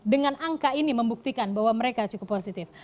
dengan angka ini membuktikan bahwa mereka cukup positif